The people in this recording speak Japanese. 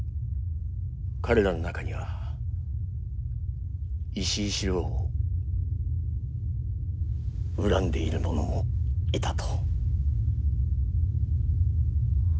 彼らの中には石井四郎を恨んでいる者もいたと。